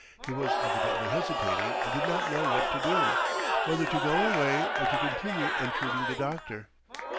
He was evidently hesitating and did not know what to do whether to go away or to continue entreating the doctor.